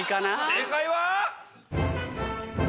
正解は？